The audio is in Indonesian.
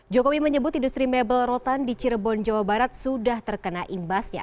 jokowi menyebut industri mebel rotan di cirebon jawa barat sudah terkena imbasnya